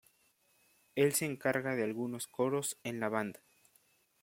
Él se encarga de alguno coros en la banda.